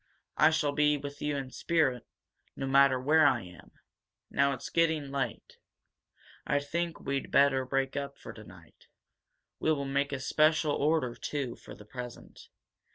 I shall be with you in spirit, no matter where I am. Now it's, getting late. I think we'd better break up for tonight. We will make a special order, too, for the present.